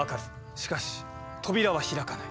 しかし扉は開かない。